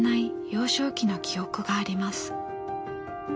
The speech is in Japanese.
幼少期の記憶があります。